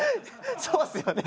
そうっすよね。